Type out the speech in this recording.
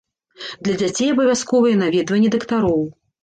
Для дзяцей абавязковыя наведванні дактароў.